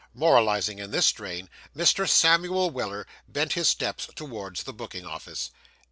Moralising in this strain, Mr. Samuel Weller bent his steps towards the booking office.